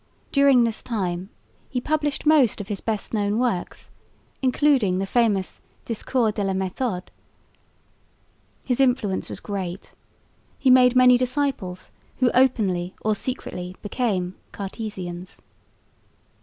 During this time he published most of his best known works, including the famous Discours de la méthode. His influence was great. He made many disciples, who openly or secretly became "Cartesians."